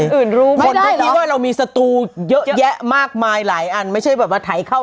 อื่นรู้ไหมว่าเรามีสตูเยอะแยะมากมายหลายอันไม่ใช่แบบว่าไถเข้า